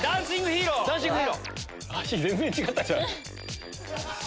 脚全然違ったじゃん。